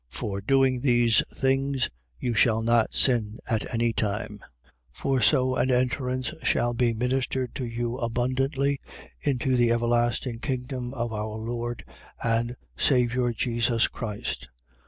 For doing these things, you shall not sin at any time. 1:11. For so an entrance shall be ministered to you abundantly into the ever lasting kingdom of our Lord and Saviour Jesus Christ.